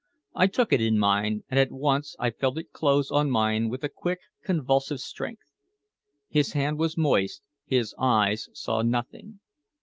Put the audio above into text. I took it in mine, and at once I felt it close on mine with a quick, convulsive strength. His hand was moist, his eyes saw nothing.